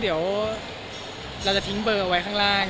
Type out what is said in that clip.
เดี๋ยวเราจะทิ้งเบอร์ไว้ข้างล่าง